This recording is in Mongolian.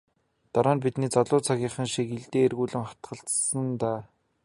Дараа нь бидний залуу цагийнх шиг илдээ эргүүлэн хатгалцсан даа.